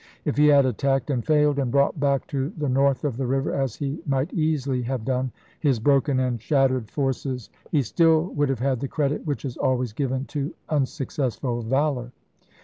If he had attacked and failed and brought back to the north of the river, as he might easily have done, his broken and shattered forces, he stiU would have had the credit which is always given to unsuccessful valor.